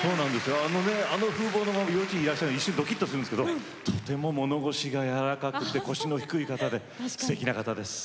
あの風貌のまま幼稚園いらっしゃるので一瞬ドキッとするんですけどとても物腰が柔らかくて腰の低い方ですてきな方です。